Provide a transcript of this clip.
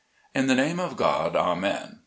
IN THE NAME OF GOD, AMEN !